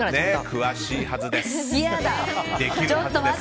詳しいはずです。